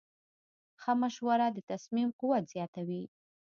ښه مشوره د تصمیم قوت زیاتوي.